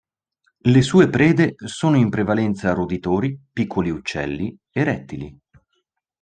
Le sue prede sono in prevalenza roditori, piccoli uccelli e rettili.